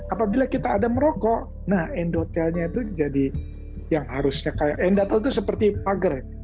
apabila kita ada merokok endotelnya itu seperti pager